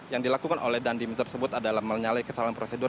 yang dilakukan oleh dandim tersebut adalah menyalahi kesalahan prosedur